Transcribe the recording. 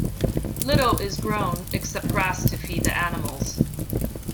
Little is grown, except grass to feed the animals.